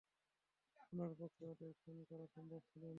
উনার পক্ষে ওদের খুন করা সম্ভব ছিল না!